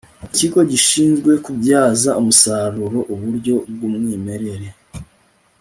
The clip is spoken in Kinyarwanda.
ikigo gishinzwe kubyaza umusaruro uburyo bw'umwimerere